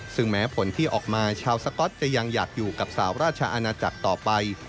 ซึ่งแม้ผลที่ออกมาชาวสก๊อตจะยังอยากอยู่กับสาวราชอาณาจักรต่อไป